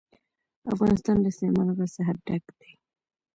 افغانستان له سلیمان غر څخه ډک دی.